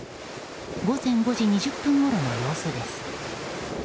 午前５時２０分ごろの様子です。